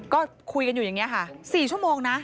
ก็คุยกันอยู่อย่างนี้ค่ะ๔ชั่วโมงนะ